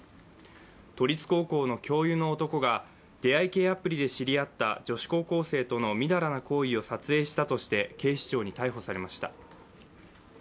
都立高校の教諭の男が出会い系アプリで知り合った女子高校生との淫らな行為を撮影したとして警視庁に逮捕されました。